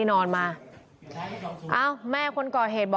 พี่หุยรู้มั้ยเขาทำอะไรอยู่ในห้องนอนในมือถื